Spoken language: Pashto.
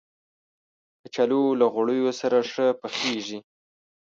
کچالو له غوړیو سره ښه پخیږي